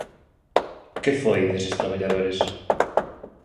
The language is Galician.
¿Que foi deses traballadores?